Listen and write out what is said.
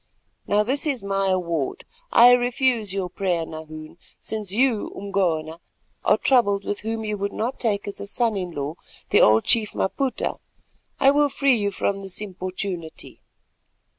Now this is my award: I refuse your prayer, Nahoon, and since you, Umgona, are troubled with one whom you would not take as son in law, the old chief Maputa, I will free you from his importunity.